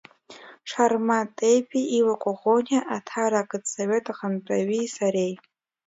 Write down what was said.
Шармаҭ Теби, Иуа Коӷониеи, Аҭара ақыҭсовет ахантәаҩи, сареи.